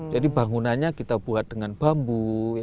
jadi bangunannya kita buat dengan bambu